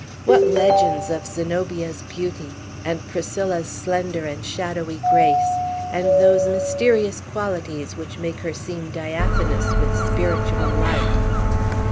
What legends of Zenobia's beauty, and Priscilla's slender and shadowy grace, and those mysterious qualities which make her seem diaphanous with spiritual light!